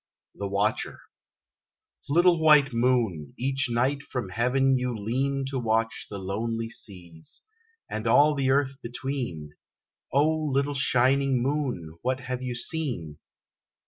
THE WATCHER Little White Moon Each night from Heaven you lean To watch the lonely Seas, and all the Earth between; O little shining Moon! What have you seen?